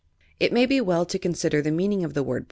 It may be well to consider the meaning of the word PROPHBCT V8.